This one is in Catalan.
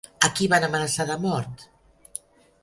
A qui van amenaçar de mort?